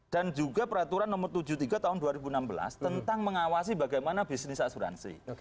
dan juga peraturan nomor tujuh puluh tiga tahun dua ribu enam belas tentang mengawasi bagaimana bisnis asuransi